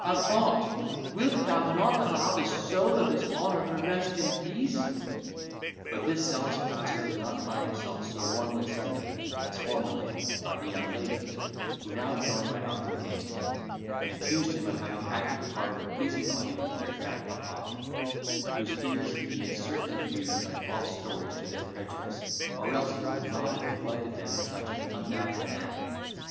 avaunt! wilt thou not allow the soul of his honour to rest in peace?" But this zealous pastor did not find himself so warmly seconded, as formerly, by the young ladies, who now joined my uncle against him, and accused him of having acted the part of a busybody with their grandpapa whose ears he had certainly abused by false stories to their prejudice, or else he would not have neglected them in such an unnatural manner.